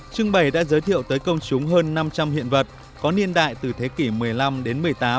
trưng bày đã giới thiệu tới công chúng hơn năm trăm linh hiện vật có niên đại từ thế kỷ một mươi năm đến một mươi tám